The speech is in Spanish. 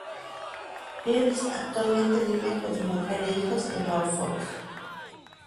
Pears actualmente vive con su mujer e hijos en Oxford.